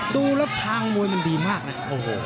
ดูแล้วทางมวยมันดีมากนะโอ้โห